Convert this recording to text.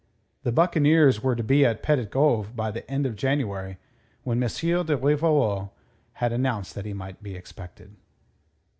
The buccaneers were to be at Petit Goave by the end of January, when M. de Rivarol had announced that he might be expected.